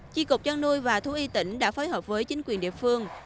chi cục chăn nuôi và thú y tỉnh đã phối hợp với chính quyền địa phương